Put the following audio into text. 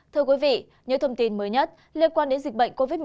thưa quý vị những thông tin mới nhất liên quan đến dịch bệnh covid một mươi chín